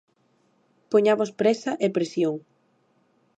Poñamos présa e presión.